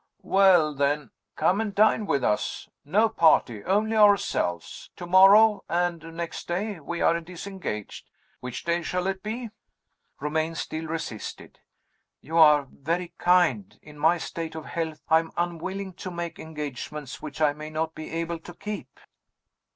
"Well, then, come and dine with us no party; only ourselves. Tomorrow, and next day, we are disengaged. Which day shall it be?" Romayne still resisted. "You are very kind. In my state of health, I am unwilling to make engagements which I may not be able to keep."